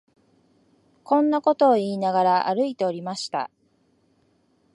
こんなことを言いながら、歩いておりました